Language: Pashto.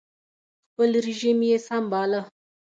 خپل رژیم یې سم باله